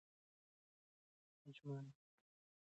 اجمل خټک د خپل ژوند په پای کې د ناروغۍ سره مبارزه وکړه.